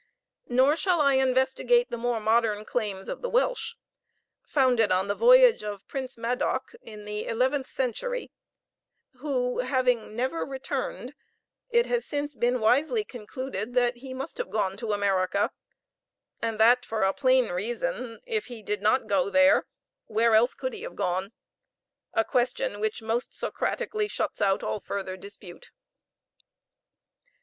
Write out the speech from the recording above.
Nor shall I investigate the more modern claims of the Welsh, founded on the voyage of Prince Madoc in the eleventh century, who, having never returned, it has since been wisely concluded that he must have gone to America, and that for a plain reason if he did not go there, where else could he have gone? a question which most Socratically shuts out all further dispute.